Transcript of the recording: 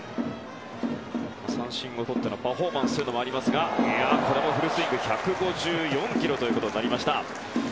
三振もとってのパフォーマンスもありますがこれもフルスイング１５４キロとなりました。